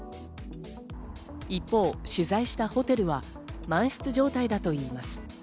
一方、取材したホテルは満室状態だといいます。